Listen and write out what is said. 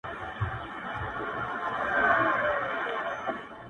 • يارانو راټوليږی چي تعويذ ورڅخه واخلو؛